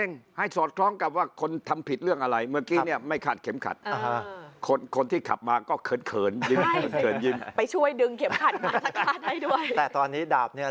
ใช้ลูกคอเยอะใช้ลูกคอเยอะใช้ลูกคอเยอะขอบคุณครับ